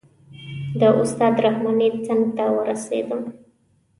د استاد رحماني څنګ ته ور ورسېدم.